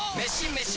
メシ！